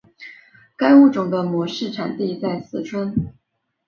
该物种的模式产地在四川。